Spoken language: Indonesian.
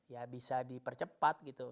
ya bisa dipercepat gitu